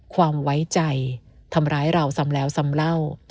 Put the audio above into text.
ความไว้ใจทำร้ายเราซ้ำแล้วซ้ำเล่า